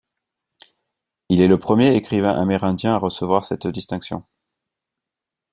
Il est le premier écrivain amérindien à recevoir cette distinction.